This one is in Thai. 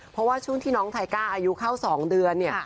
เพราะว่าช่วงที่น้องไทก้าอายุเข้า๒เดือนเนี่ย